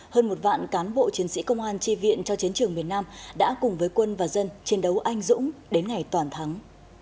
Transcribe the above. hơn một vạn cán bộ chiến sĩ công an tri viện cho chiến trường miền nam đã cùng với quân và dân chiến đấu anh dũng đến ngày toàn thắng